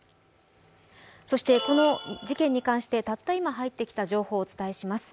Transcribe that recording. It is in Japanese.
そしてこの事件に関してたった今入ってきた情報をお伝えします。